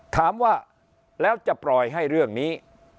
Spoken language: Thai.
ถามว่าแล้วจะปล่อยให้เรื่องนี้